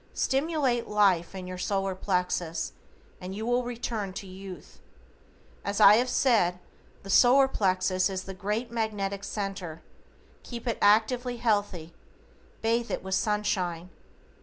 Stimulate life in your solar plexus and you will return to youth. As I have said, the solar plexus is the great magnetic centre, keep it actively healthy, bathe it with sunshine.